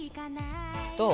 どう？